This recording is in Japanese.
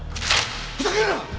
ふざけるな！